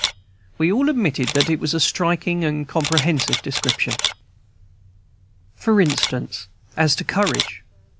We all admitted that it was a striking and comprehensive description. For instance, as to courage.